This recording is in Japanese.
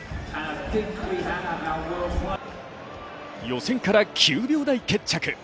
予選から９秒台決着。